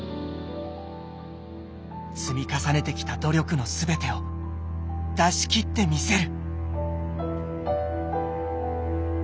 積み重ねてきた努力の全てを出し切ってみせる。